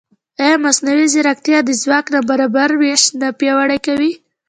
ایا مصنوعي ځیرکتیا د ځواک نابرابر وېش نه پیاوړی کوي؟